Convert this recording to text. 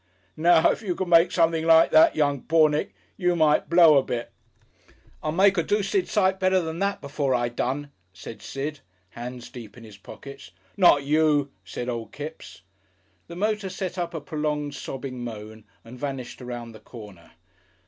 "Now, if you could make something like that, young Pornick, you might blow a bit!" "I'll make a doocid sight better than that before I done," said Sid, hands deep in his pockets. "Not you," said old Kipps. The motor set up a prolonged sobbing moan and vanished around the corner.